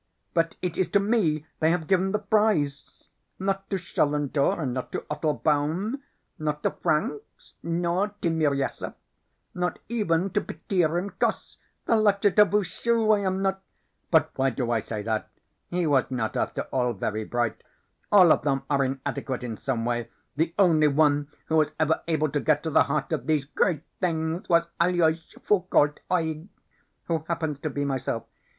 "But it is to me they have given the prize. Not to Schellendore and not to Ottlebaum, not to Francks nor Timiryaseff, not even to Pitirim Koss, the latchet of whose shoe I am not but why do I say that? he was not, after all, very bright all of them are inadequate in some way the only one who was ever able to get to the heart of these great things was Aloys Foulcault Oeg, who happens to be myself.